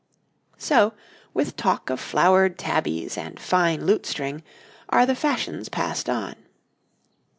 So, with talk of flowered tabbies and fine lutestring, are the fashions passed on.